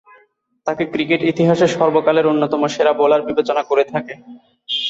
তাকে ক্রিকেট ইতিহাসের সর্বকালের অন্যতম সেরা বোলার বিবেচনা করে থাকে।